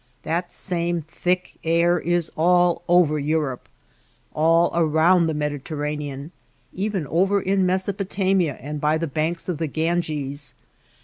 That same thick air is all over Europe, all around the Mediterranean, even over in Mesopotamia and by the banks of the Ganges.